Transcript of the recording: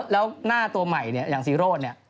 แล้วหน้าตัวใหม่อย่างซีโร่น